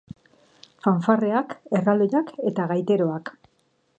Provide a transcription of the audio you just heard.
Fanfarreak, erraldoiak eta gaiteroak.